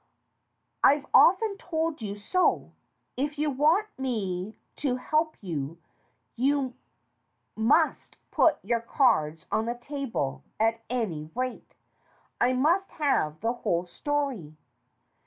I've often told you so. If you want me to help you you must put your cards on the table at any rate. I must have the whole story."